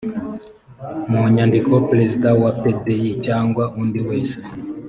mu nyandiko perezida wa pdi cyangwa undi wese